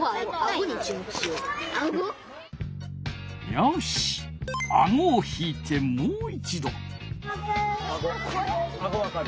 よしあごを引いてもう一度。